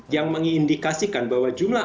yang mengindikasikan bahwa jumlah